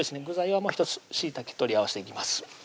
具材は１つしいたけ取り合わしていきます